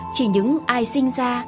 chỉ những ai sinh ra